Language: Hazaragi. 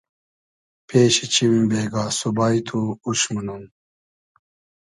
پېشی چیم بېگا سوبای تو اوش مونوم